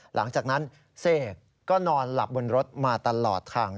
หลังจากนั้นเสกก็นอนหลับบนรถมาตลอดทาง